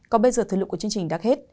còn bây giờ thời lượng của chương trình đã hết